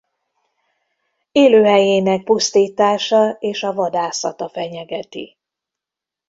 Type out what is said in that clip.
Élőhelyének pusztítása és a vadászata fenyegeti.